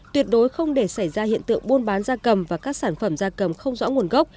tuyệt đối không để xảy ra hiện tượng buôn bán da cầm và các sản phẩm da cầm không rõ nguồn gốc